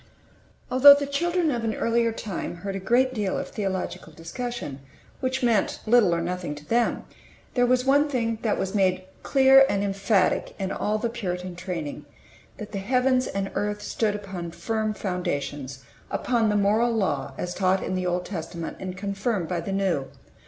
ALTHOUGH the children of an earlier time heard a great deal of theological discussion which meant little or nothing to them, there was one thing that was made clear and emphatic in all the Puritan training: that the heavens and earth stood upon firm foundations upon the Moral Law as taught in the Old Testament and confirmed by the New.